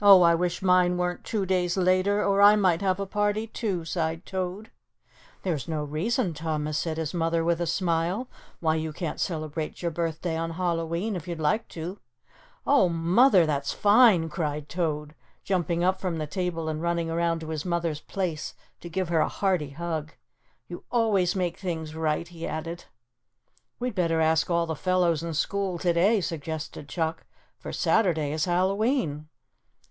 "Oh, I wish mine weren't two days later or I might have a party too," sighed Toad. "There's no reason, Thomas," said his mother, with a smile, "why you can't celebrate your birthday on Hallowe'en, if you'd like to." "Oh, Mother, that's fine," cried Toad, jumping up from the table and running around to his mother's place to give her a hearty hug. "You always make things right," he added. "We'd better ask all the fellows in school today," suggested Chuck, "for Saturday is Hallowe'en."